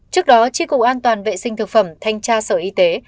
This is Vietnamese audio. trước đó tri cục an toàn vệ sinh thực phẩm thanh tra sở y tế